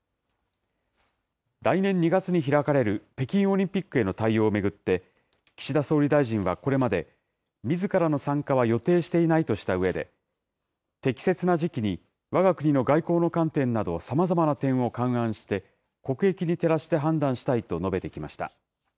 来年２月に開かれる北京オリンピックへの対応を巡って、岸田総理大臣はこれまで、みずからの参加は予定していないとしたうえで、適切な時期にわが国の外交の観点など、さまざまな点を勘案して、国益に照らして判断したいと述べてきました。